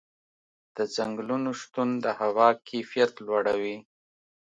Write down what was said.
د ځنګلونو شتون د هوا کیفیت لوړوي.